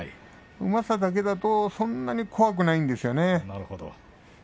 うまさだけですとそんなに怖くないんですよね。